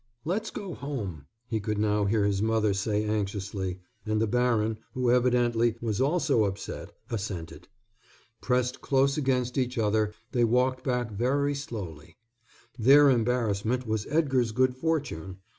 "Let's go home," he could now hear his mother say anxiously, and the baron, who, evidently, was also upset, assented. Pressed close against each other, they walked back very slowly. Their embarrassment was Edgar's good fortune.